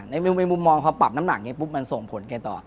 ในมุมมองพอปรับน้ำหนักอย่างนี้ปุ๊บมันส่งผลไงต่อ